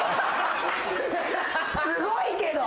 すごいけど。